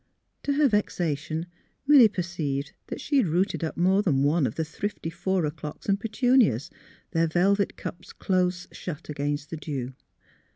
To her vexation Milly perceived that she had rooted up more than one of the thrifty four ' clocks and petunias, their velvet cups close shut against the dew.